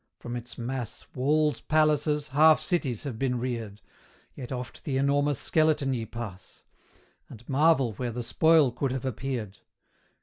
from its mass Walls, palaces, half cities, have been reared; Yet oft the enormous skeleton ye pass, And marvel where the spoil could have appeared.